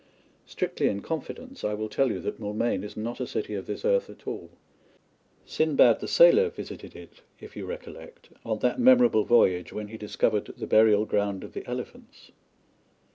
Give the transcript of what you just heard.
Strictly in confidence I will tell you that Moulmein is not a city of this earth at all. Sindbad the Sailor visited it, if you recollect, on that memorable voyage when he discovered the burial ground of the elephants.